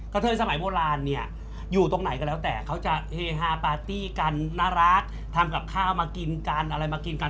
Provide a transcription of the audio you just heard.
เทยสมัยโบราณเนี่ยอยู่ตรงไหนก็แล้วแต่เขาจะเฮฮาปาร์ตี้กันน่ารักทำกับข้าวมากินกันอะไรมากินกัน